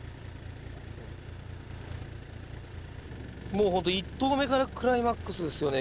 もうほんと１投目からクライマックスですよね